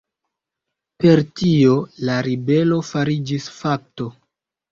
Per tio la ribelo fariĝis fakto.